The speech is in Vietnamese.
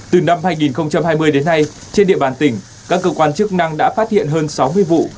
từ năm hai nghìn hai mươi đến nay trên địa bàn tỉnh các cơ quan chức năng đã phát hiện hơn sáu mươi vụ